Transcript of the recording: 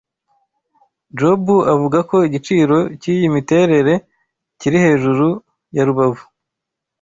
Jobu avuga ko igiciro cyiyi miterere "kiri hejuru ya rubavu"